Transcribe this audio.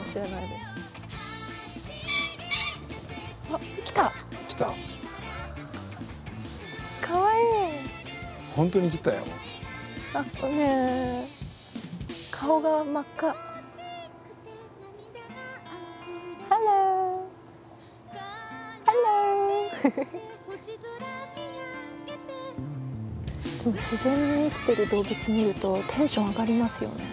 でも自然に生きてる動物見るとテンション上がりますよね。